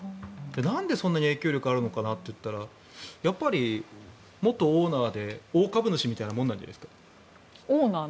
なんでそんなに影響力あるのかなといったらやっぱり、元オーナーで大株主みたいなものじゃないですか。